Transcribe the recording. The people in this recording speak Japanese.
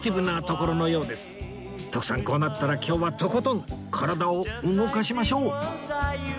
こうなったら今日はとことん体を動かしましょう